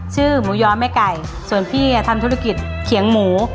หมูย้อแม่ไก่ส่วนพี่ทำธุรกิจเขียงหมู